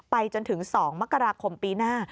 จนถึง๒มกราคมปีหน้า